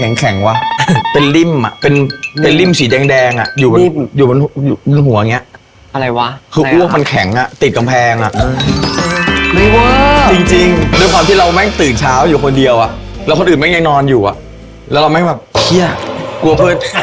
เพื่อนผมเห็นว่าเอามือแก่อ้วนอยู่ในนั้น